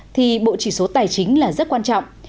thì bộ chỉ số tài chính là rất quan trọng